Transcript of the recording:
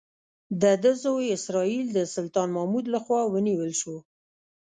د ده زوی اسراییل د سلطان محمود لخوا ونیول شو.